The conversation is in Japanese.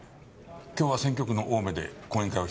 今日は選挙区の青梅で講演会をしている。